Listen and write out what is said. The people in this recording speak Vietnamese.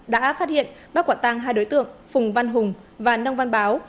đã phát hiện bắt quả tăng hai đối tượng phùng văn hùng và nông văn báo